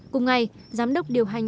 cùng ngày giám đốc điều hành